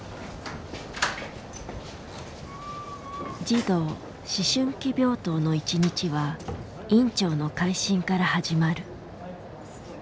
児童・思春期病棟の１日は院長の回診から始まる。